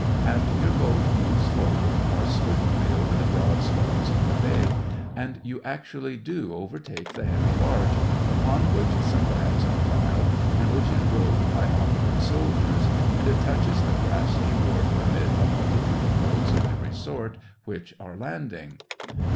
And your boat moves forward more swiftly over the broad swells of the bay, and you actually do overtake the heavy barge, upon which some bags are piled, and which is rowed by awkward soldiers, and it touches the Grafsky wharf amid a multi tude of boats of every sort which are landing.